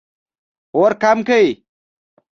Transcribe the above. اور کم کړئ